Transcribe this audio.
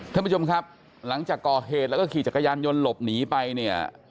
ท่านผู้ชมครับหลังจากก่อเหตุแล้วก็ขี่จักรยานยนต์หลบหนีไปเนี่ย